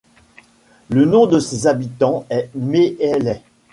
Le nom de ses habitants est Méaillais.